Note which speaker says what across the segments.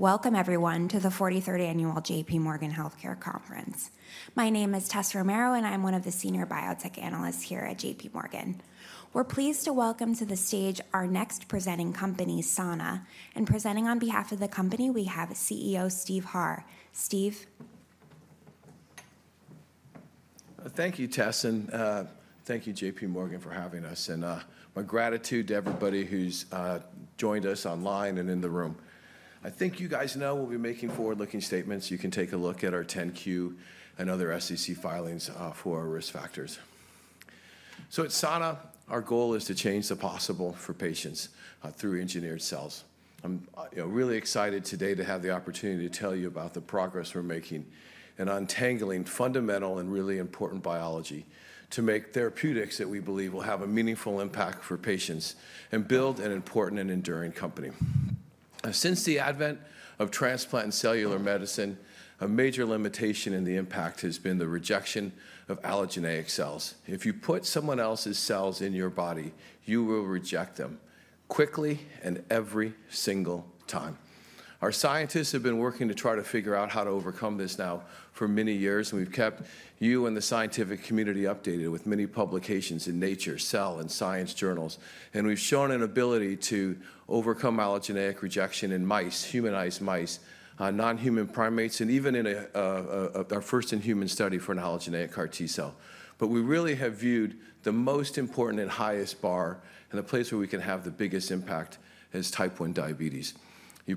Speaker 1: Welcome, everyone, to the 43rd Annual JPMorgan Healthcare Conference. My name is Tessa Romero, and I'm one of the Senior Biotech Analysts here at JPMorgan. We're pleased to welcome to the stage our next presenting company, Sana, and presenting on behalf of the company we have CEO Steve Harr. Steve.
Speaker 2: Thank you, Tessa, and thank you, J.P. Morgan, for having us, and my gratitude to everybody who's joined us online and in the room. I think you guys know we'll be making forward-looking statements. You can take a look at our 10-Q and other SEC filings for our risk factors. At Sana, our goal is to change the possible for patients through engineered cells. I'm really excited today to have the opportunity to tell you about the progress we're making in untangling fundamental and really important biology to make therapeutics that we believe will have a meaningful impact for patients and build an important and enduring company. Since the advent of transplant and cellular medicine, a major limitation in the impact has been the rejection of allogeneic cells. If you put someone else's cells in your body, you will reject them quickly and every single time. Our scientists have been working to try to figure out how to overcome this now for many years, and we've kept you and the scientific community updated with many publications in Nature, Cell, and Science journals, and we've shown an ability to overcome allogeneic rejection in mice, humanized mice, non-human primates, and even in our first in-human study for an allogeneic CAR T cell, but we really have viewed the most important and highest bar, and the place where we can have the biggest impact, is type 1 diabetes.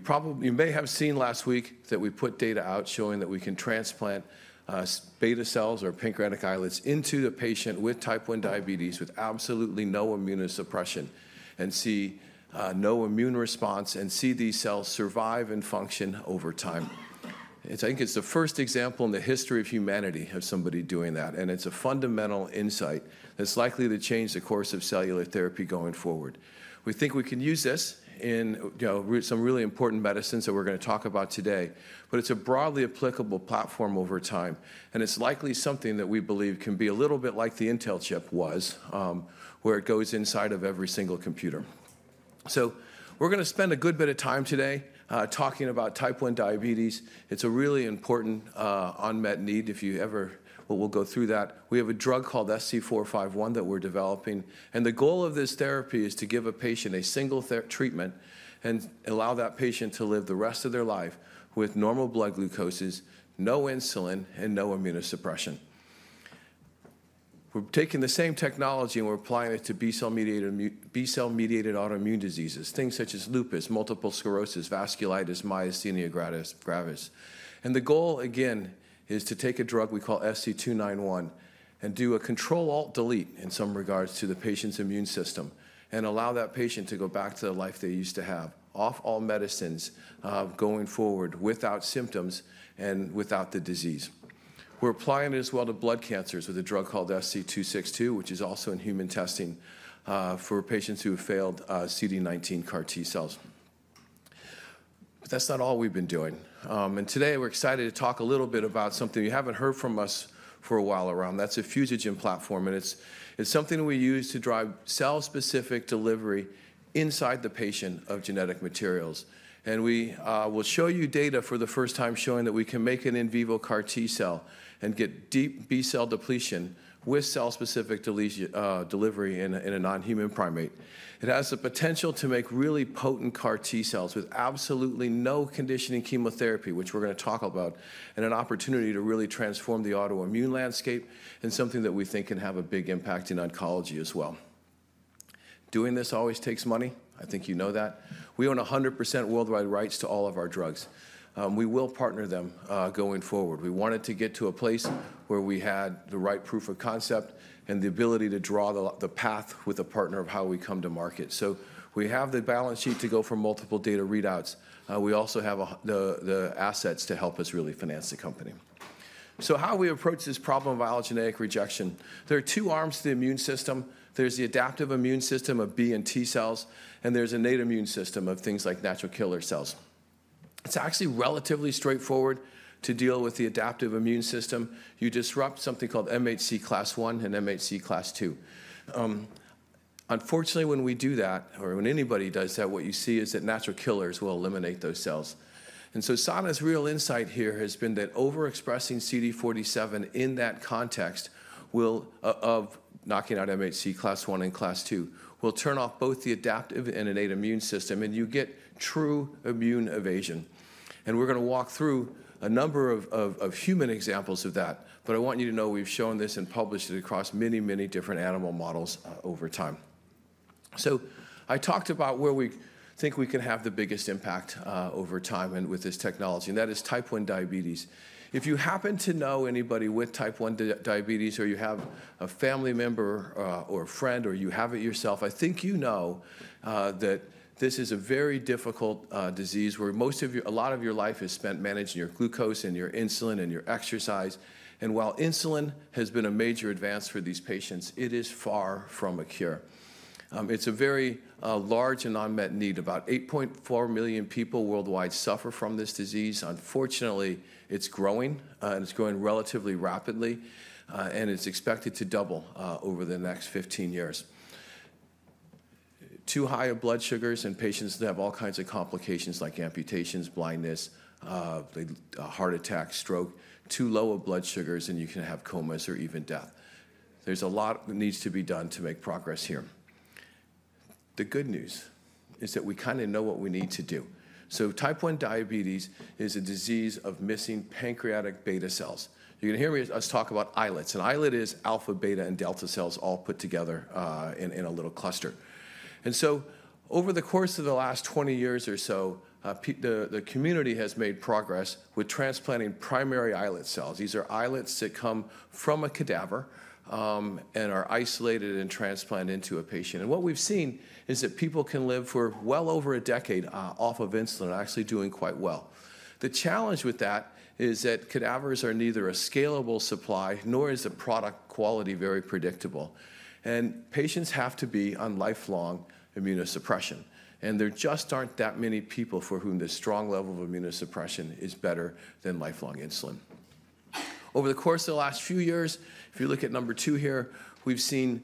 Speaker 2: You may have seen last week that we put data out showing that we can transplant beta cells or pancreatic islets into a patient with type 1 diabetes with absolutely no immunosuppression and see no immune response and see these cells survive and function over time. I think it's the first example in the history of humanity of somebody doing that. It's a fundamental insight that's likely to change the course of cellular therapy going forward. We think we can use this in some really important medicines that we're going to talk about today. It's a broadly applicable platform over time. It's likely something that we believe can be a little bit like the Intel chip was, where it goes inside of every single computer. We're going to spend a good bit of time today talking about Type 1 diabetes. It's a really important unmet need, but we'll go through that. We have a drug called SC451 that we're developing. The goal of this therapy is to give a patient a single treatment and allow that patient to live the rest of their life with normal blood glucoses, no insulin, and no immunosuppression. We're taking the same technology and we're applying it to B-cell-mediated autoimmune diseases, things such as lupus, multiple sclerosis, vasculitis, myasthenia gravis. And the goal, again, is to take a drug we call SC291 and do a control alt-delete in some regards to the patient's immune system and allow that patient to go back to the life they used to have off all medicines going forward without symptoms and without the disease. We're applying it as well to blood cancers with a drug called SC262, which is also in human testing for patients who have failed CD19 CAR T cells. But that's not all we've been doing. And today, we're excited to talk a little bit about something you haven't heard from us for a while around. That's a fusion platform. And it's something we use to drive cell-specific delivery inside the patient of genetic materials. We will show you data for the first time showing that we can make an in vivo CAR T cell and get deep B-cell depletion with cell-specific delivery in a non-human primate. It has the potential to make really potent CAR T cells with absolutely no conditioning chemotherapy, which we're going to talk about, and an opportunity to really transform the autoimmune landscape and something that we think can have a big impact in oncology as well. Doing this always takes money. I think you know that. We own 100% worldwide rights to all of our drugs. We will partner them going forward. We wanted to get to a place where we had the right proof of concept and the ability to draw the path with a partner of how we come to market. We have the balance sheet to go for multiple data readouts. We also have the assets to help us really finance the company. How we approach this problem of allogeneic rejection, there are two arms to the immune system. There's the adaptive immune system of B and T cells, and there's an innate immune system of things like natural killer cells. It's actually relatively straightforward to deal with the adaptive immune system. You disrupt something called MHC class I and MHC class II. Unfortunately, when we do that, or when anybody does that, what you see is that natural killer cells will eliminate those cells. Sana's real insight here has been that overexpressing CD47 in that context of knocking out MHC class I and class II will turn off both the adaptive and innate immune system, and you get true immune evasion. We're going to walk through a number of human examples of that. But I want you to know we've shown this and published it across many, many different animal models over time. So I talked about where we think we can have the biggest impact over time and with this technology. And that is type 1 diabetes. If you happen to know anybody with type 1 diabetes or you have a family member or a friend or you have it yourself, I think you know that this is a very difficult disease where a lot of your life is spent managing your glucose and your insulin and your exercise. And while insulin has been a major advance for these patients, it is far from a cure. It's a very large and unmet need. About 8.4 million people worldwide suffer from this disease. Unfortunately, it's growing, and it's growing relatively rapidly, and it's expected to double over the next 15 years. Too high of blood sugars in patients that have all kinds of complications like amputations, blindness, heart attack, stroke. Too low of blood sugars, and you can have comas or even death. There's a lot that needs to be done to make progress here. The good news is that we kind of know what we need to do. So Type 1 diabetes is a disease of missing pancreatic beta cells. You're going to hear me talk about islets. An islet is alpha, beta, and delta cells all put together in a little cluster. And so over the course of the last 20 years or so, the community has made progress with transplanting primary islet cells. These are islets that come from a cadaver and are isolated and transplanted into a patient. What we've seen is that people can live for well over a decade off of insulin, actually doing quite well. The challenge with that is that cadavers are neither a scalable supply nor is the product quality very predictable. Patients have to be on lifelong immunosuppression. There just aren't that many people for whom this strong level of immunosuppression is better than lifelong insulin. Over the course of the last few years, if you look at number two here, we've seen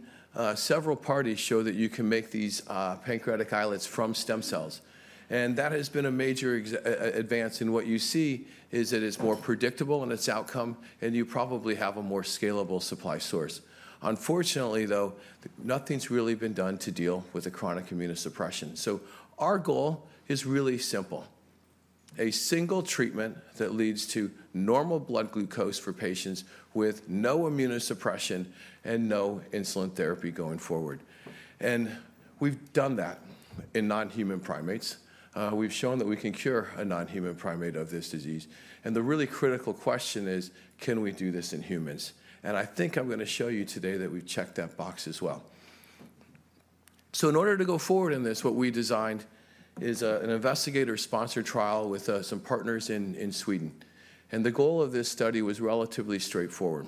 Speaker 2: several parties show that you can make these pancreatic islets from stem cells. That has been a major advance. What you see is that it's more predictable in its outcome, and you probably have a more scalable supply source. Unfortunately, though, nothing's really been done to deal with a chronic immunosuppression. Our goal is really simple: a single treatment that leads to normal blood glucose for patients with no immunosuppression and no insulin therapy going forward. We've done that in non-human primates. We've shown that we can cure a non-human primate of this disease. The really critical question is, can we do this in humans? I think I'm going to show you today that we've checked that box as well. In order to go forward in this, what we designed is an investigator-sponsored trial with some partners in Sweden. The goal of this study was relatively straightforward.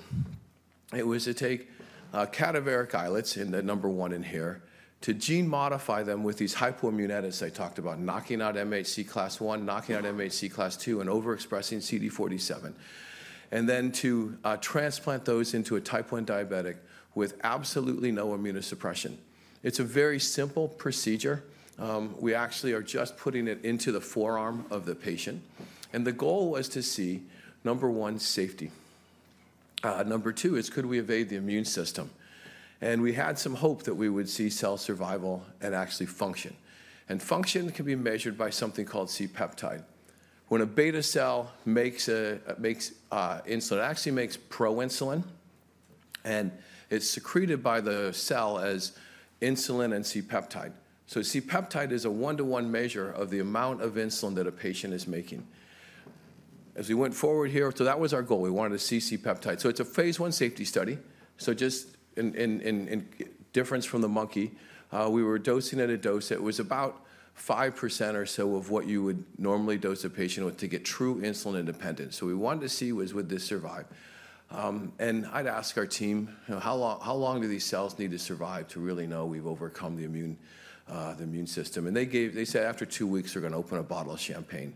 Speaker 2: It was to take cadaveric islets, and the number one in here, to gene modify them with these Hypoimmune I talked about, knocking out MHC class I, knocking out MHC class II, and overexpressing CD47, and then to transplant those into a type 1 diabetic with absolutely no immunosuppression. It's a very simple procedure. We actually are just putting it into the forearm of the patient. And the goal was to see, number one, safety. Number two is, could we evade the immune system? And we had some hope that we would see cell survival and actually function. And function can be measured by something called C-peptide. When a beta cell makes insulin, it actually makes proinsulin, and it's secreted by the cell as insulin and C-peptide. So C-peptide is a one-to-one measure of the amount of insulin that a patient is making. As we went forward here, so that was our goal. We wanted to see C-peptide. So it's a phase one safety study. So just in difference from the monkey, we were dosing at a dose that was about 5% or so of what you would normally dose a patient with to get true insulin independence. So we wanted to see would this survive. And I'd ask our team, how long do these cells need to survive to really know we've overcome the immune system? And they said after two weeks, they're going to open a bottle of champagne.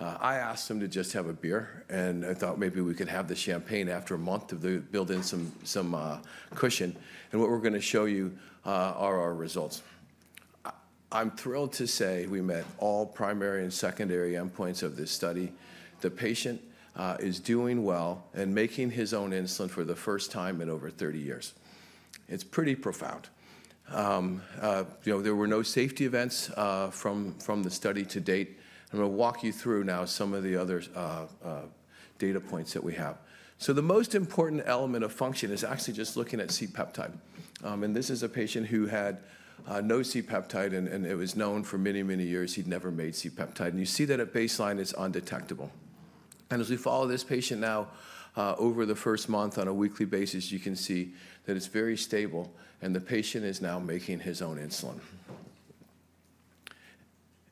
Speaker 2: I asked them to just have a beer. And I thought maybe we could have the champagne after a month to build in some cushion. And what we're going to show you are our results. I'm thrilled to say we met all primary and secondary endpoints of this study. The patient is doing well and making his own insulin for the first time in over 30 years. It's pretty profound. There were no safety events from the study to date. I'm going to walk you through now some of the other data points that we have. The most important element of function is actually just looking at C-peptide. This is a patient who had no C-peptide, and it was known for many, many years he'd never made C-peptide. You see that at baseline, it's undetectable. As we follow this patient now over the first month on a weekly basis, you can see that it's very stable, and the patient is now making his own insulin.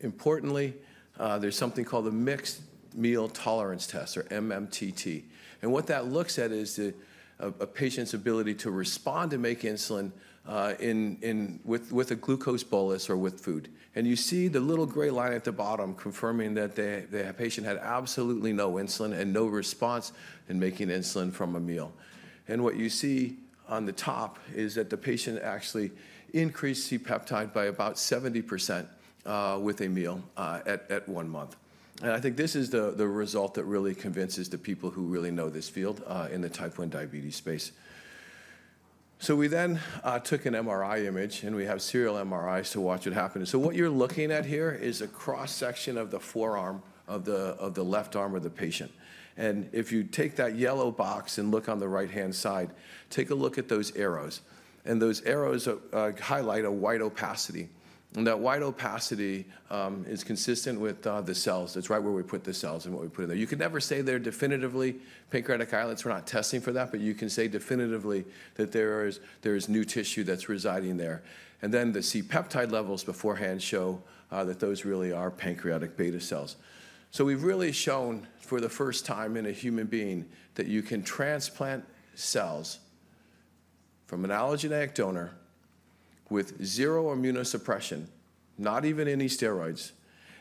Speaker 2: Importantly, there's something called the mixed meal tolerance test, or MMTT. And what that looks at is a patient's ability to respond and make insulin with a glucose bolus or with food. And you see the little gray line at the bottom confirming that the patient had absolutely no insulin and no response in making insulin from a meal. And what you see on the top is that the patient actually increased C-peptide by about 70% with a meal at one month. And I think this is the result that really convinces the people who really know this field in the type 1 diabetes space. So we then took an MRI image, and we have serial MRIs to watch what happened. So what you're looking at here is a cross-section of the forearm of the left arm of the patient. And if you take that yellow box and look on the right-hand side, take a look at those arrows. Those arrows highlight a white opacity. And that white opacity is consistent with the cells. That's right where we put the cells and what we put in there. You can never say they're definitively pancreatic islets. We're not testing for that. But you can say definitively that there is new tissue that's residing there. And then the C-peptide levels beforehand show that those really are pancreatic beta cells. So we've really shown for the first time in a human being that you can transplant cells from an allogeneic donor with zero immunosuppression, not even any steroids.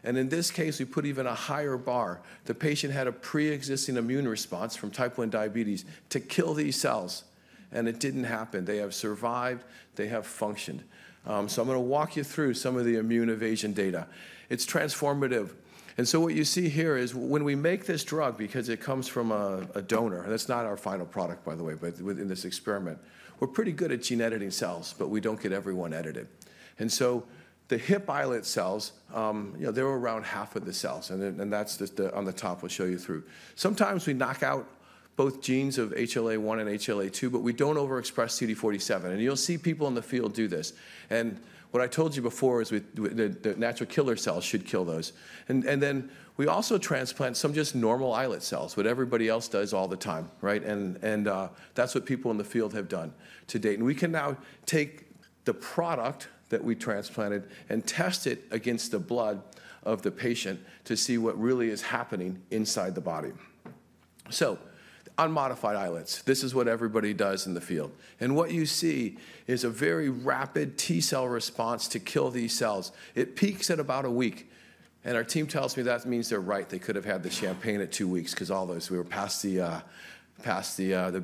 Speaker 2: And in this case, we put even a higher bar. The patient had a pre-existing immune response from type 1 diabetes to kill these cells. And it didn't happen. They have survived. They have functioned. So I'm going to walk you through some of the immune evasion data. It's transformative. And so what you see here is when we make this drug, because it comes from a donor, and that's not our final product, by the way, but within this experiment, we're pretty good at gene editing cells, but we don't get everyone edited. And so the HIP islet cells, they're around half of the cells. And that's just on the top we'll show you through. Sometimes we knock out both genes of HLA I and HLA II, but we don't overexpress CD47. And you'll see people in the field do this. And what I told you before is the natural killer cells should kill those. And then we also transplant some just normal islet cells, what everybody else does all the time, right? And that's what people in the field have done to date. And we can now take the product that we transplanted and test it against the blood of the patient to see what really is happening inside the body. So unmodified islets, this is what everybody does in the field. And what you see is a very rapid T cell response to kill these cells. It peaks at about a week. And our team tells me that means they're right. They could have had the champagne at two weeks because all those were past the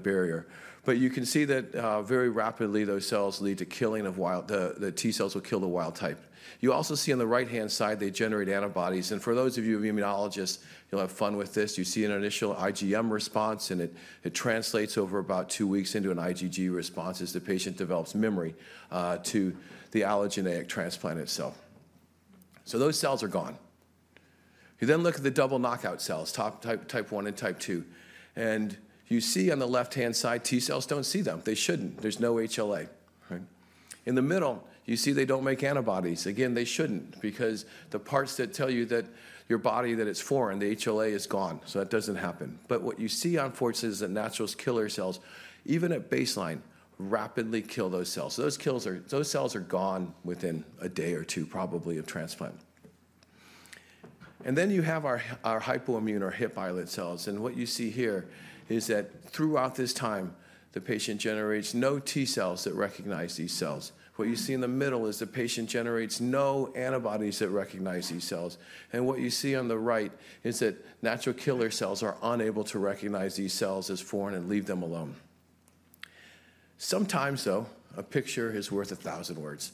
Speaker 2: barrier. But you can see that very rapidly those cells lead to killing. Wild T cells will kill the wild-type. You also see on the right-hand side, they generate antibodies. And for those of you who are immunologists, you'll have fun with this. You see an initial IgM response, and it translates over about two weeks into an IgG response as the patient develops memory to the allogeneic transplanted cell, so those cells are gone. You then look at the double knockout cells, type 1 and type 2 and you see on the left-hand side, T cells don't see them. They shouldn't. There's no HLA. In the middle, you see they don't make antibodies. Again, they shouldn't because the parts that tell you that your body that it's foreign, the HLA is gone. So that doesn't happen, but what you see, unfortunately, is that natural killer cells, even at baseline, rapidly kill those cells. Those cells are gone within a day or two, probably, of transplant and then you have our hypoimmune or hip islet cells. What you see here is that throughout this time, the patient generates no T-cells that recognize these cells. What you see in the middle is the patient generates no antibodies that recognize these cells. What you see on the right is that natural killer cells are unable to recognize these cells as foreign and leave them alone. Sometimes, though, a picture is worth a thousand words.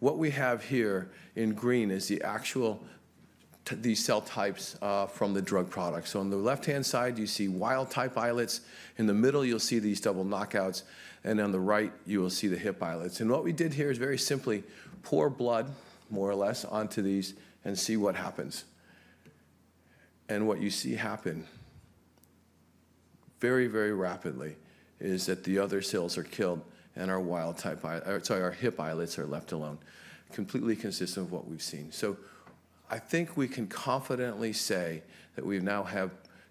Speaker 2: What we have here in green is the actual cell types from the drug products. On the left-hand side, you see wild type islets. In the middle, you'll see these double knockouts. On the right, you will see the HIP islets. What we did here is very simply pour blood, more or less, onto these and see what happens. What you see happen very, very rapidly is that the other cells are killed and our wild type sorry, our HIP islets are left alone, completely consistent with what we've seen. So I think we can confidently say that we now have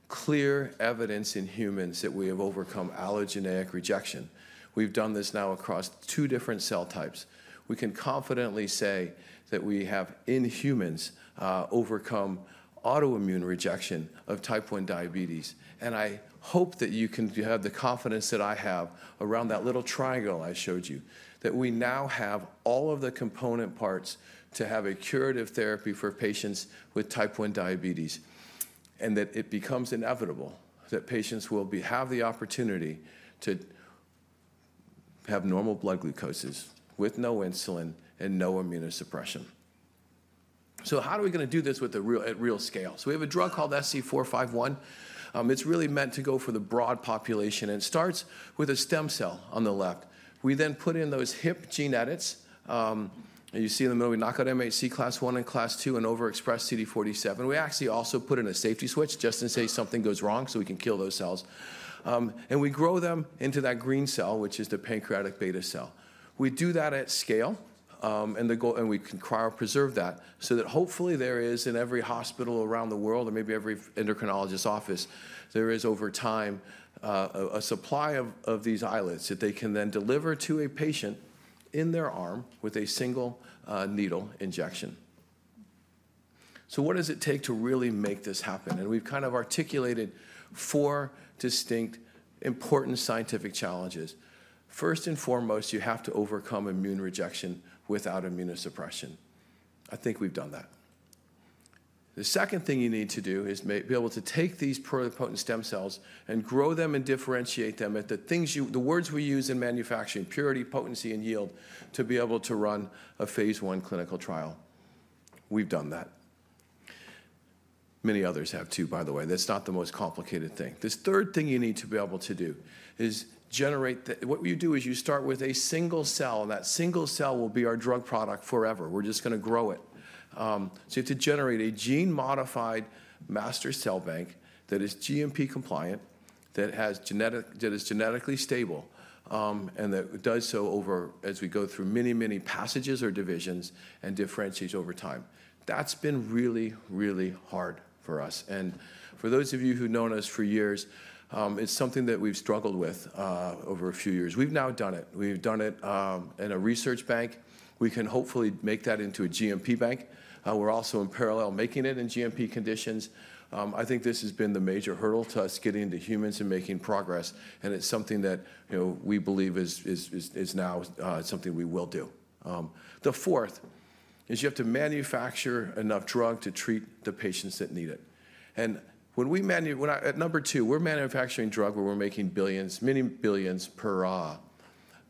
Speaker 2: clear evidence in humans that we have overcome allogeneic rejection. We've done this now across two different cell types. We can confidently say that we have, in humans, overcome autoimmune rejection of type 1 diabetes. I hope that you can have the confidence that I have around that little triangle I showed you, that we now have all of the component parts to have a curative therapy for patients with type 1 diabetes and that it becomes inevitable that patients will have the opportunity to have normal blood glucoses with no insulin and no immunosuppression. How are we going to do this at real scale? So we have a drug called SC451. It's really meant to go for the broad population. And it starts with a stem cell on the left. We then put in those HIP gene edits. You see in the middle, we knock out MHC class I and class II and overexpress CD47. We actually also put in a safety switch just in case something goes wrong so we can kill those cells. And we grow them into that green cell, which is the pancreatic beta cell. We do that at scale. And we can cryopreserve that so that hopefully there is in every hospital around the world or maybe every endocrinologist's office, there is over time a supply of these islets that they can then deliver to a patient in their arm with a single needle injection. So what does it take to really make this happen? And we've kind of articulated four distinct important scientific challenges. First and foremost, you have to overcome immune rejection without immunosuppression. I think we've done that. The second thing you need to do is be able to take these pluripotent stem cells and grow them and differentiate them at the things, the words we use in manufacturing: purity, potency, and yield, to be able to run a phase one clinical trial. We've done that. Many others have too, by the way. That's not the most complicated thing. This third thing you need to be able to do is generate. What you do is you start with a single cell. And that single cell will be our drug product forever. We're just going to grow it. So you have to generate a gene-modified master cell bank that is GMP compliant, that is genetically stable, and that does so over as we go through many, many passages or divisions and differentiates over time. That's been really, really hard for us. And for those of you who've known us for years, it's something that we've struggled with over a few years. We've now done it. We've done it in a research bank. We can hopefully make that into a GMP bank. We're also in parallel making it in GMP conditions. I think this has been the major hurdle to us getting into humans and making progress. And it's something that we believe is now something we will do. The fourth is you have to manufacture enough drug to treat the patients that need it. And when we're at number two, we're manufacturing drug where we're making billions, many billions per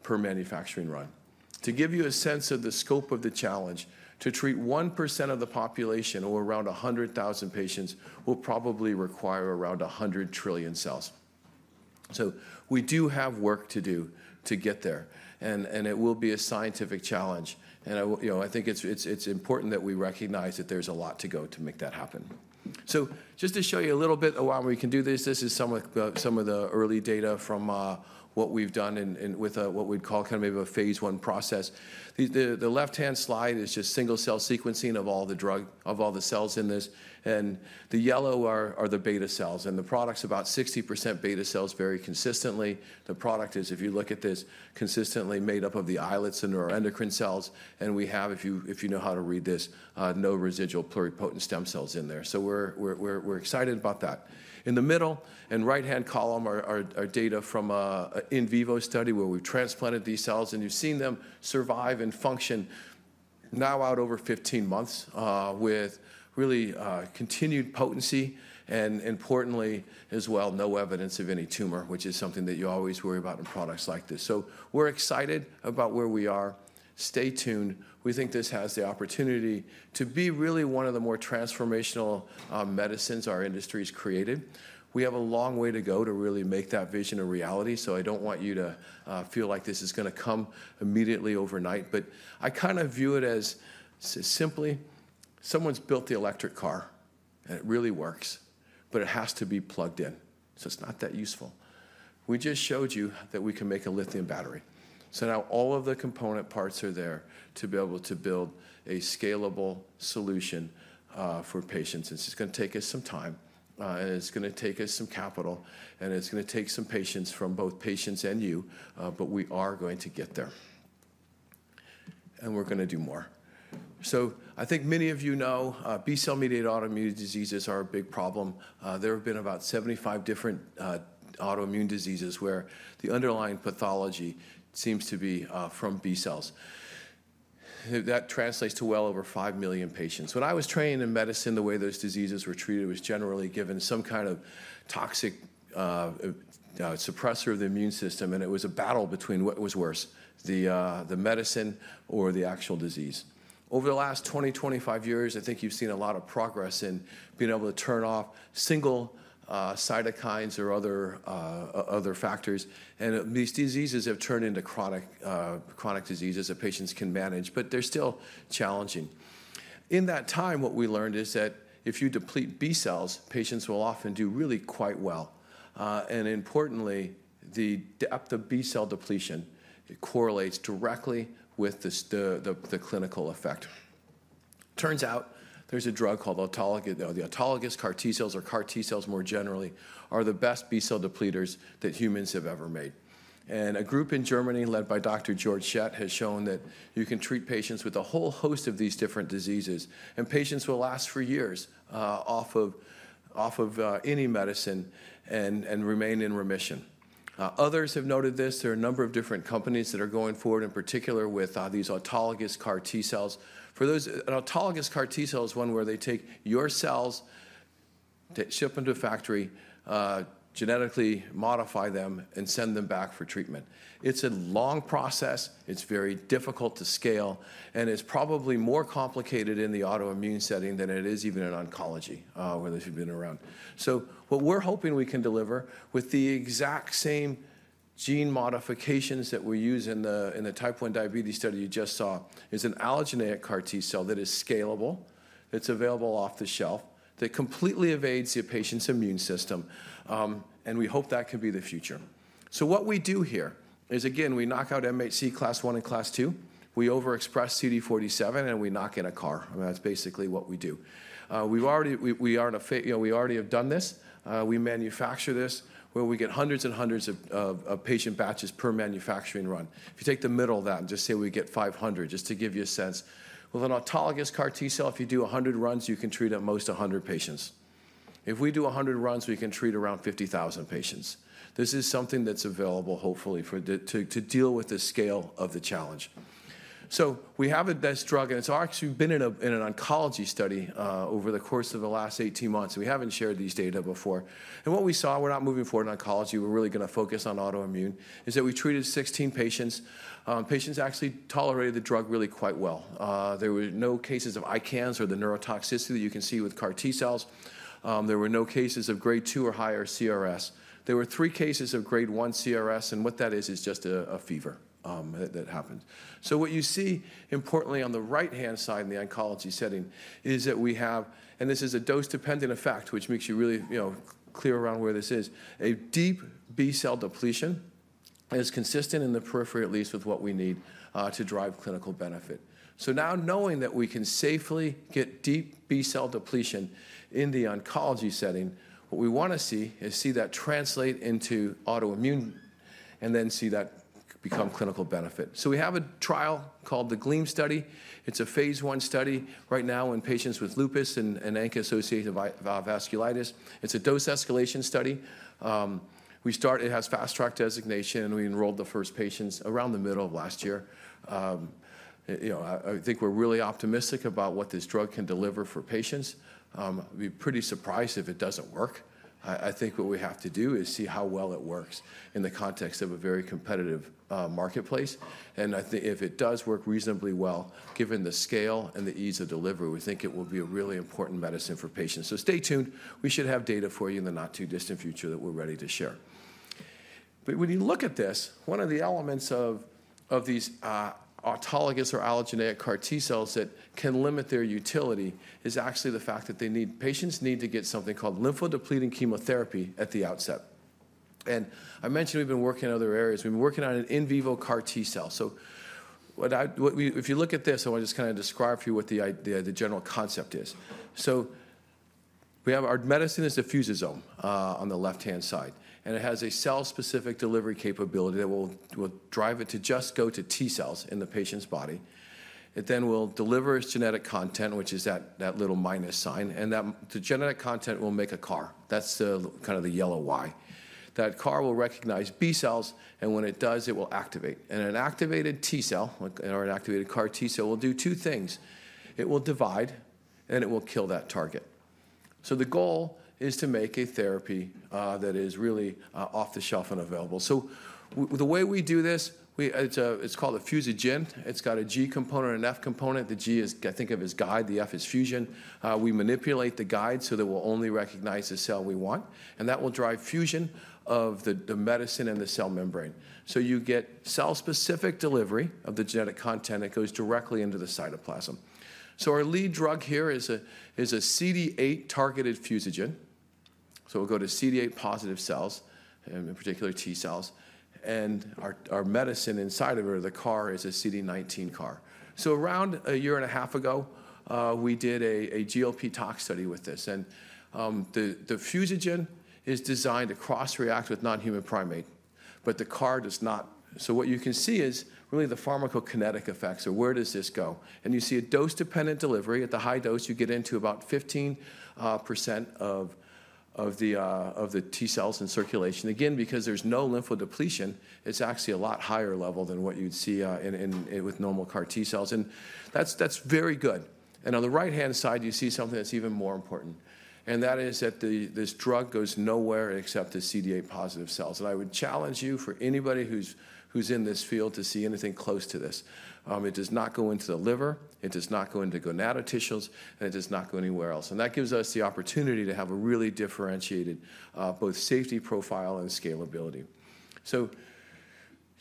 Speaker 2: manufacturing run. To give you a sense of the scope of the challenge, to treat 1% of the population or around 100,000 patients will probably require around 100 trillion cells. So we do have work to do to get there. And it will be a scientific challenge. And I think it's important that we recognize that there's a lot to go to make that happen. So just to show you a little bit of why we can do this, this is some of the early data from what we've done with what we'd call kind of maybe a phase one process. The left-hand slide is just single-cell sequencing of all the drug of all the cells in this. And the yellow are the beta cells. And the product is about 60% beta cells very consistently. The product is, if you look at this, consistently made up of the islets and our endocrine cells. And we have, if you know how to read this, no residual pluripotent stem cells in there. So we're excited about that. In the middle and right-hand column are data from an in vivo study where we've transplanted these cells. And you've seen them survive and function now out over 15 months with really continued potency and, importantly, as well, no evidence of any tumor, which is something that you always worry about in products like this. So we're excited about where we are. Stay tuned. We think this has the opportunity to be really one of the more transformational medicines our industry has created. We have a long way to go to really make that vision a reality. So I don't want you to feel like this is going to come immediately overnight. But I kind of view it as simply someone's built the electric car, and it really works, but it has to be plugged in. So it's not that useful. We just showed you that we can make a lithium battery. So now all of the component parts are there to be able to build a scalable solution for patients. And it's going to take us some time. And it's going to take us some capital. And it's going to take some patience from both patients and you. But we are going to get there. And we're going to do more. So I think many of you know B-cell mediated autoimmune diseases are a big problem. There have been about 75 different autoimmune diseases where the underlying pathology seems to be from B-cells. That translates to well over five million patients. When I was trained in medicine, the way those diseases were treated was generally given some kind of toxic suppressor of the immune system. And it was a battle between what was worse, the medicine or the actual disease. Over the last 20-25 years, I think you've seen a lot of progress in being able to turn off single cytokines or other factors. And these diseases have turned into chronic diseases that patients can manage. But they're still challenging. In that time, what we learned is that if you deplete B cells, patients will often do really quite well. And importantly, the depth of B-cell depletion correlates directly with the clinical effect. Turns out there's a drug called autologous CAR T cells, or CAR T cells more generally, are the best B-cell depleters that humans have ever made. A group in Germany led by Dr. Georg Schett has shown that you can treat patients with a whole host of these different diseases. Patients will last for years off of any medicine and remain in remission. Others have noted this. There are a number of different companies that are going forward, in particular with these autologous CAR T-cells. An autologous CAR T-cell is one where they take your cells, ship them to a factory, genetically modify them, and send them back for treatment. It's a long process. It's very difficult to scale. It's probably more complicated in the autoimmune setting than it is even in oncology, whether you've been around. What we're hoping we can deliver with the exact same gene modifications that we use in the type 1 diabetes study you just saw is an allogeneic CAR T-cell that is scalable.
Speaker 1: It's available off the shelf that completely evades the patient's immune system, and we hope that can be the future. What we do here is, again, we knock out MHC Class I and Class II. We overexpress CD47, and we knock in a CAR. I mean, that's basically what we do. We already have done this. We manufacture this, where we get hundreds and hundreds of patient batches per manufacturing run. If you take the middle of that and just say we get 500, just to give you a sense, with an autologous CAR T-cell, if you do 100 runs, you can treat at most 100 patients. If we do 100 runs, we can treat around 50,000 patients. This is something that's available, hopefully, to deal with the scale of the challenge. We have a best drug. It's actually been in an oncology study over the course of the last 18 months. We haven't shared these data before. And what we saw, we're not moving forward in oncology. We're really going to focus on autoimmune, is that we treated 16 patients. Patients actually tolerated the drug really quite well. There were no cases of ICANS or the neurotoxicity that you can see with CAR T-cells. There were no cases of grade 2 or higher CRS. There were three cases of grade 1 CRS. And what that is, is just a fever that happens. So what you see, importantly, on the right-hand side in the oncology setting is that we have and this is a dose-dependent effect, which makes you really clear around where this is. A deep B cell depletion is consistent in the periphery, at least, with what we need to drive clinical benefit. Now, knowing that we can safely get deep B-cell depletion in the oncology setting, what we want to see is that translate into autoimmune and then see that become clinical benefit. We have a trial called the GLEAM study. It's a phase 1 study right now in patients with lupus and ANCA-associated vasculitis. It's a dose escalation study. It has fast-track designation. We enrolled the first patients around the middle of last year. I think we're really optimistic about what this drug can deliver for patients. We'd be pretty surprised if it doesn't work. I think what we have to do is see how well it works in the context of a very competitive marketplace. If it does work reasonably well, given the scale and the ease of delivery, we think it will be a really important medicine for patients. Stay tuned. We should have data for you in the not-too-distant future that we're ready to share. But when you look at this, one of the elements of these autologous or allogeneic CAR T-cells that can limit their utility is actually the fact that patients need to get something called lymphodepleting chemotherapy at the outset. And I mentioned we've been working in other areas. We've been working on in vivo CAR T-cells. So if you look at this, I want to just kind of describe for you what the general concept is. So our medicine is a Fusosome on the left-hand side. And it has a cell-specific delivery capability that will drive it to just go to T-cells in the patient's body. It then will deliver its genetic content, which is that little minus sign. And the genetic content will make a CAR. That's kind of the yellow Y. That CAR will recognize B-cells. And when it does, it will activate. And an activated T-cell or an activated CAR T-cell will do two things. It will divide. And it will kill that target. So the goal is to make a therapy that is really off the shelf and available. So the way we do this, it's called a Fusogen. It's got a G component and an F component. The G is, I think of as guide. The F is fusion. We manipulate the guide so that we'll only recognize the cell we want. And that will drive fusion of the medicine and the cell membrane. So you get cell-specific delivery of the genetic content that goes directly into the cytoplasm. So our lead drug here is a CD8-targeted Fusogen. So we'll go to CD8-positive cells, in particular T-cells. Our medicine inside of it or the CAR is a CD19 CAR. Around a year and a half ago, we did a GLP tox study with this. The Fusogen is designed to cross-react with non-human primate, but the CAR does not. What you can see is really the pharmacokinetic effects. Where does this go? You see a dose-dependent delivery. At the high dose, you get into about 15% of the T-cells in circulation. Again, because there's no lymphodepletion, it's actually a lot higher level than what you'd see with normal CAR T-cells. That's very good. On the right-hand side, you see something that's even more important. That is that this drug goes nowhere except to CD8-positive cells. I would challenge you, for anybody who's in this field, to see anything close to this. It does not go into the liver. It does not go into gonadal tissues. And it does not go anywhere else. And that gives us the opportunity to have a really differentiated both safety profile and scalability. So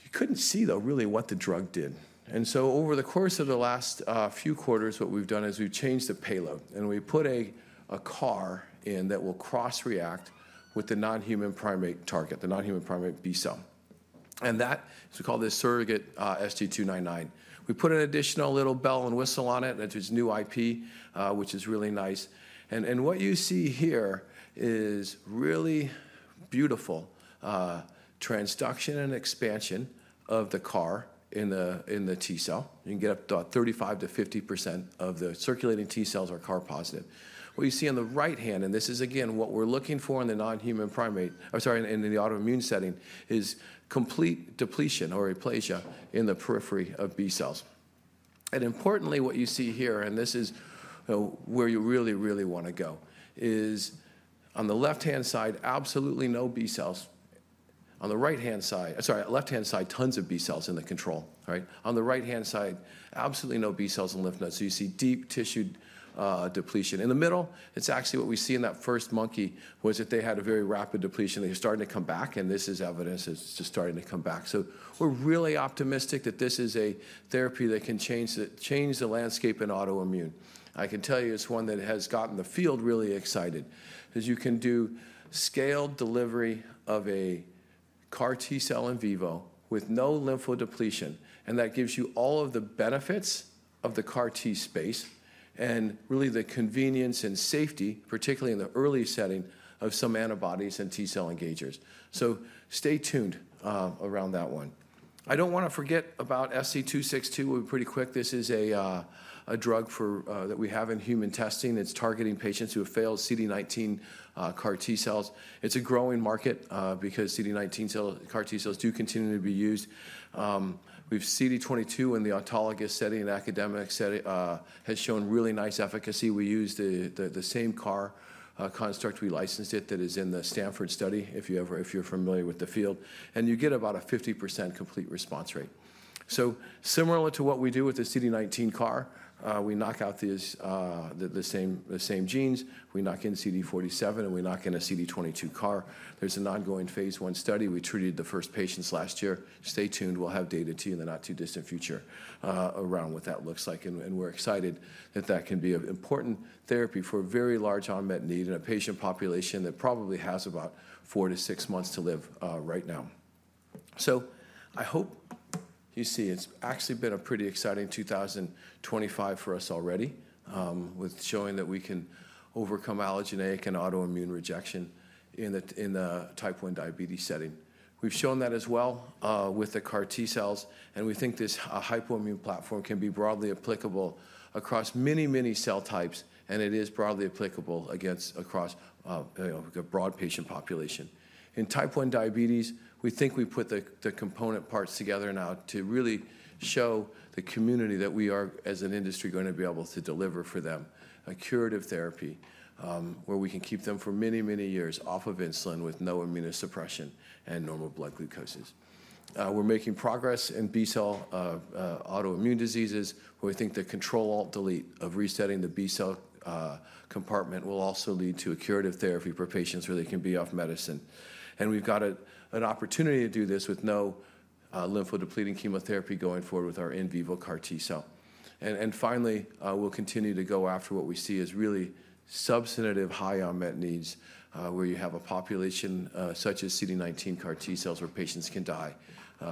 Speaker 1: you couldn't see, though, really what the drug did. And so over the course of the last few quarters, what we've done is we've changed the payload. And we put a CAR in that will cross-react with the non-human primate target, the non-human primate B-cell. And that, we call this surrogate SG299. We put an additional little bell and whistle on it. That's its new IP, which is really nice. And what you see here is really beautiful transduction and expansion of the CAR in the T-cell. You can get up to about 35%-50% of the circulating T-cells are CAR positive. What you see on the right hand, and this is, again, what we're looking for in the non-human primate or sorry, in the autoimmune setting, is complete depletion or aplasia in the periphery of B cells. Importantly, what you see here, and this is where you really, really want to go, is on the left-hand side, absolutely no B cells. On the right-hand side sorry, left-hand side, tons of B cells in the control. On the right-hand side, absolutely no B cells in lymph nodes. So you see deep tissue depletion. In the middle, it's actually what we see in that first monkey was that they had a very rapid depletion. They were starting to come back. And this is evidence it's just starting to come back. So we're really optimistic that this is a therapy that can change the landscape in autoimmune. I can tell you it's one that has gotten the field really excited because you can do scaled delivery of a CAR T-cell in vivo with no lymphodepletion. And that gives you all of the benefits of the CAR T space and really the convenience and safety, particularly in the early setting, of some antibodies and T-cell engagers. So stay tuned around that one. I don't want to forget about SC262. We'll be pretty quick. This is a drug that we have in human testing that's targeting patients who have failed CD19 CAR T-cells. It's a growing market because CD19 CAR T-cells do continue to be used. With CD22 in the autologous setting and academic setting, it has shown really nice efficacy. We use the same CAR construct. We licensed it. That is in the Stanford study, if you're familiar with the field. And you get about a 50% complete response rate. So similar to what we do with the CD19 CAR, we knock out the same genes. We knock in CD47. And we knock in a CD22 CAR. There's an ongoing phase one study. We treated the first patients last year. Stay tuned. We'll have data to you in the not-too-distant future around what that looks like. And we're excited that that can be an important therapy for a very large unmet need in a patient population that probably has about four-to-six months to live right now. So I hope you see it's actually been a pretty exciting 2025 for us already with showing that we can overcome allogeneic and autoimmune rejection in the type 1 diabetes setting. We've shown that as well with the CAR T-cells. We think this Hypoimmune platform can be broadly applicable across many, many cell types. It is broadly applicable across a broad patient population. In type 1 diabetes, we think we put the component parts together now to really show the community that we are, as an industry, going to be able to deliver for them a curative therapy where we can keep them for many, many years off of insulin with no immunosuppression and normal blood glucoses. We're making progress in B-cell autoimmune diseases where we think the control-alt-delete of resetting the B-cell compartment will also lead to a curative therapy for patients where they can be off medicine. We've got an opportunity to do this with no lymphodepleting chemotherapy going forward with our in vivo CAR T-cell. And finally, we'll continue to go after what we see as really substantive high unmet needs where you have a population such as CD19 CAR T-cells where patients can die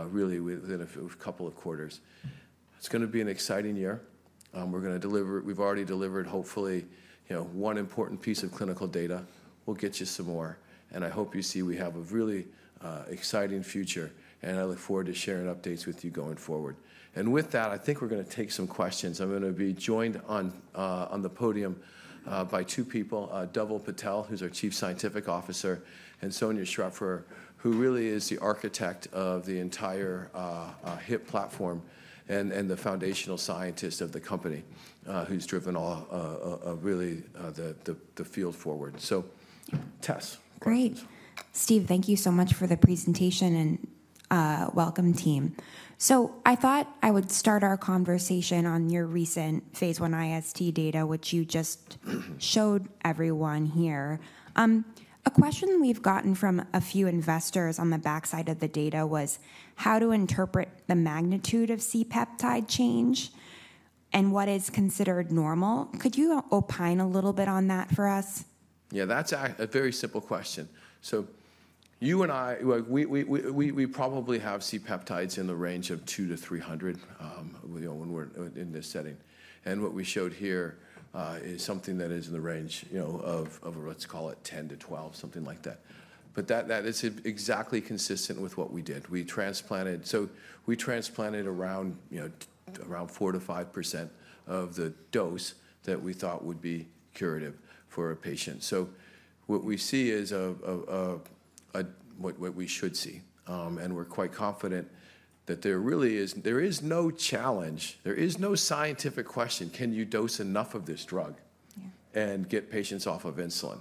Speaker 1: really within a couple of quarters. It's going to be an exciting year. We're going to deliver we've already delivered, hopefully, one important piece of clinical data. We'll get you some more. And I hope you see we have a really exciting future. And I look forward to sharing updates with you going forward. And with that, I think we're going to take some questions. I'm going to be joined on the podium by two people, Dhaval Patel, who's our Chief Scientific Officer, and Sonja Schrepfer, who really is the architect of the entire HIP platform and the foundational scientist of the company who's driven really the field forward. So Tess, go ahead. Great. Steve, thank you so much for the presentation and welcome, team. I thought I would start our conversation on your recent phase one IST data, which you just showed everyone here. A question we've gotten from a few investors on the backside of the data was how to interpret the magnitude of C-peptide change and what is considered normal. Could you opine a little bit on that for us?
Speaker 2: Yeah, that's a very simple question. So you and I, we probably have C-peptides in the range of 200 to 300 when we're in this setting. And what we showed here is something that is in the range of, let's call it, 10 to 12, something like that. But that is exactly consistent with what we did. So we transplanted around 4%-5% of the dose that we thought would be curative for a patient. So what we see is what we should see. And we're quite confident that there really is no challenge. There is no scientific question, can you dose enough of this drug and get patients off of insulin?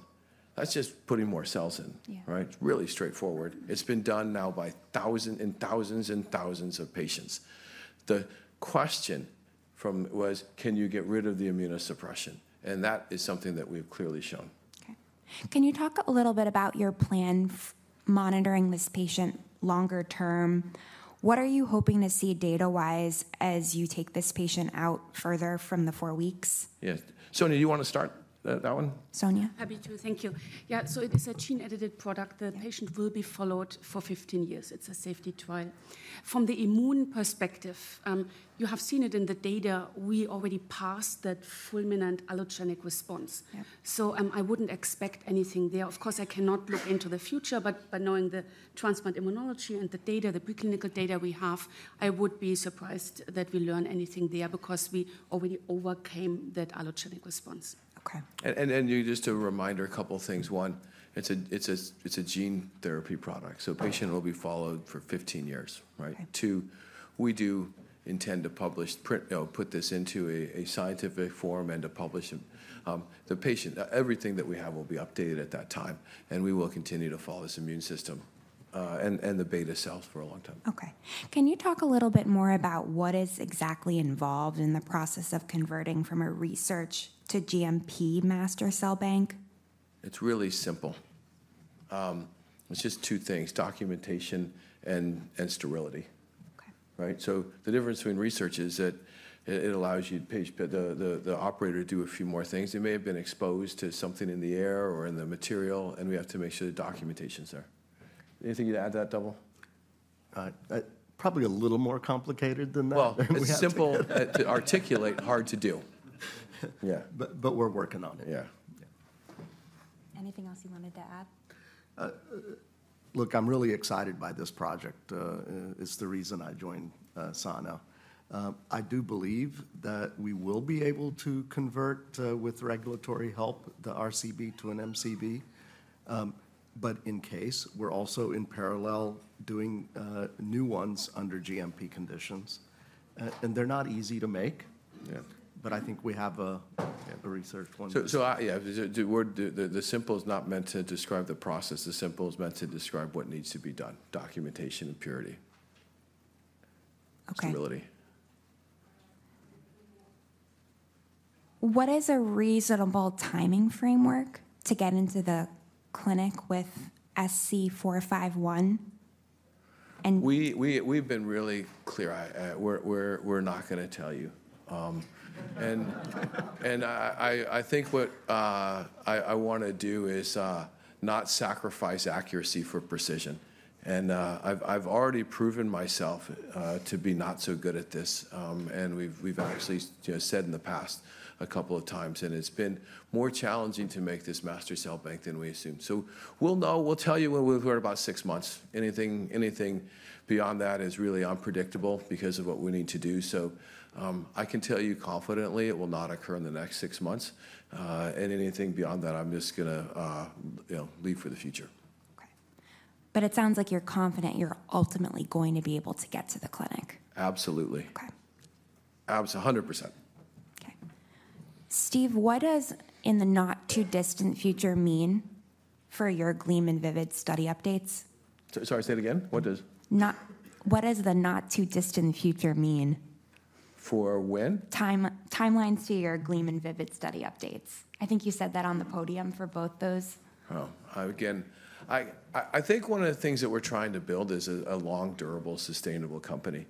Speaker 2: That's just putting more cells in, right? It's really straightforward. It's been done now by thousands and thousands and thousands of patients. The question was, can you get rid of the immunosuppression? That is something that we've clearly shown.
Speaker 1: OK. Can you talk a little bit about your plan monitoring this patient longer term? What are you hoping to see data-wise as you take this patient out further from the four weeks?
Speaker 2: Yeah. Sonia, do you want to start that one?
Speaker 1: Sonia.
Speaker 3: Happy to. Thank you. Yeah, so it is a gene-edited product. The patient will be followed for 15 years. It's a safety trial. From the immune perspective, you have seen it in the data. We already passed that fulminant allogeneic response. So I wouldn't expect anything there. Of course, I cannot look into the future. But knowing the transplant immunology and the data, the preclinical data we have, I would be surprised that we learn anything there because we already overcame that allogeneic response.
Speaker 1: OK.
Speaker 2: And just a reminder, a couple of things. One, it's a gene therapy product. So a patient will be followed for 15 years, right? Two, we do intend to publish, put this into a scientific forum and to publish it. Everything that we have will be updated at that time. And we will continue to follow this immune system and the beta cells for a long time.
Speaker 1: OK. Can you talk a little bit more about what is exactly involved in the process of converting from a research to GMP master cell bank?
Speaker 2: It's really simple. It's just two things: documentation and sterility. So the difference between research is that it allows the operator to do a few more things. They may have been exposed to something in the air or in the material. And we have to make sure the documentation's there. Anything you'd add to that, Dhaval?
Speaker 4: Probably a little more complicated than that.
Speaker 2: Simple to articulate, hard to do. Yeah, but we're working on it. Yeah.
Speaker 1: Anything else you wanted to add?
Speaker 4: Look, I'm really excited by this project. It's the reason I joined Sana. I do believe that we will be able to convert, with regulatory help, the RCB to an MCB. But in case, we're also in parallel doing new ones under GMP conditions. And they're not easy to make. But I think we have a research one.
Speaker 2: So yeah, the simple is not meant to describe the process. The simple is meant to describe what needs to be done: documentation and purity, sterility.
Speaker 1: OK. What is a reasonable timing framework to get into the clinic with SC451?
Speaker 2: We've been really clear. We're not going to tell you. And I think what I want to do is not sacrifice accuracy for precision. And I've already proven myself to be not so good at this. And we've actually said in the past a couple of times. And it's been more challenging to make this master cell bank than we assumed. So we'll know. We'll tell you when we've heard about six months. Anything beyond that is really unpredictable because of what we need to do. So I can tell you confidently it will not occur in the next six months. And anything beyond that, I'm just going to leave for the future.
Speaker 1: OK. But it sounds like you're confident you're ultimately going to be able to get to the clinic.
Speaker 2: Absolutely. 100%.
Speaker 1: OK. Steve, what does "in the not-too-distant future" mean for your GLEAM and VIVID study updates?
Speaker 2: Sorry, say that again. What does?
Speaker 1: What does "in the not-too-distant future" mean?
Speaker 2: For when?
Speaker 1: Timelines to your GLEAM and VIVID study updates. I think you said that on the podium for both those.
Speaker 2: Oh, again, I think one of the things that we're trying to build is a long, durable, sustainable company.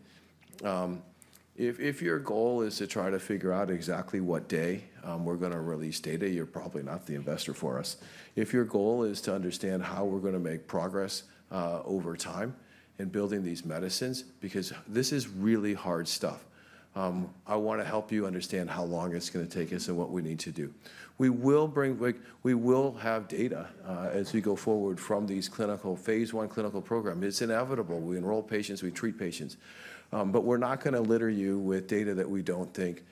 Speaker 2: If your goal is to try to figure out exactly what day we're going to release data, you're probably not the investor for us. If your goal is to understand how we're going to make progress over time in building these medicines, because this is really hard stuff, I want to help you understand how long it's going to take us and what we need to do. We will have data as we go forward from these clinical phase one clinical programs. It's inevitable. We enroll patients. We treat patients. But we're not going to litter you with data that we don't think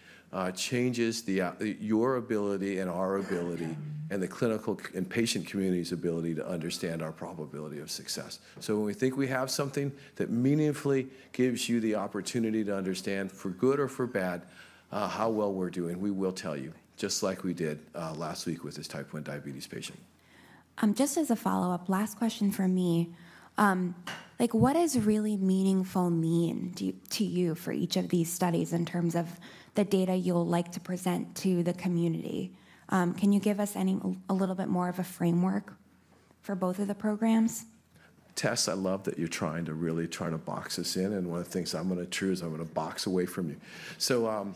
Speaker 2: changes your ability and our ability and the clinical and patient community's ability to understand our probability of success. So when we think we have something that meaningfully gives you the opportunity to understand, for good or for bad, how well we're doing, we will tell you, just like we did last week with this Type 1 diabetes patient.
Speaker 1: Just as a follow-up, last question for me. What does really meaningful mean to you for each of these studies in terms of the data you'll like to present to the community? Can you give us a little bit more of a framework for both of the programs?
Speaker 2: Tess, I love that you're trying to really try to box us in. And one of the things I'm going to do is I'm going to back away from you. So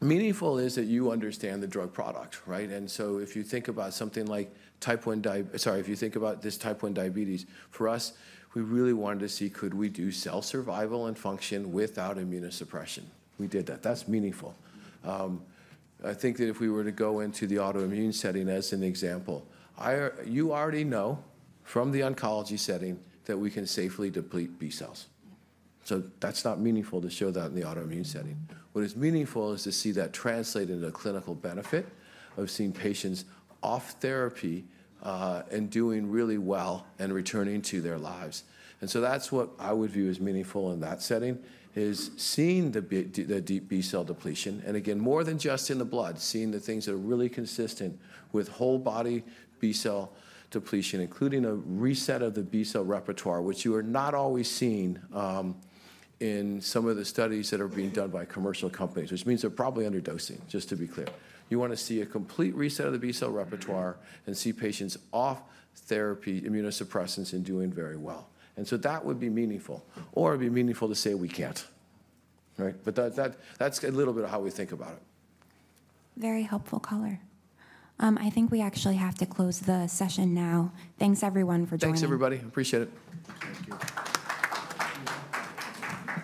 Speaker 2: meaningful is that you understand the drug product, right? And so if you think about something like type 1 sorry, if you think about this type 1 diabetes, for us, we really wanted to see could we do cell survival and function without immunosuppression. We did that. That's meaningful. I think that if we were to go into the autoimmune setting as an example, you already know from the oncology setting that we can safely deplete B cells. So that's not meaningful to show that in the autoimmune setting. What is meaningful is to see that translate into a clinical benefit of seeing patients off therapy and doing really well and returning to their lives. And so that's what I would view as meaningful in that setting is seeing the deep B-cell depletion. And again, more than just in the blood, seeing the things that are really consistent with whole body B-cell depletion, including a reset of the B-cell repertoire, which you are not always seeing in some of the studies that are being done by commercial companies, which means they're probably underdosing, just to be clear. You want to see a complete reset of the B-cell repertoire and see patients off therapy, immunosuppressants, and doing very well. And so that would be meaningful. Or it would be meaningful to say we can't. But that's a little bit of how we think about it.
Speaker 1: Very helpful, caller. I think we actually have to close the session now. Thanks, everyone, for joining.
Speaker 2: Thanks, everybody. Appreciate it.